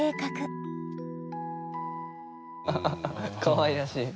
かわいらしい。